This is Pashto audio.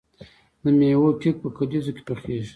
د میوو کیک په کلیزو کې پخیږي.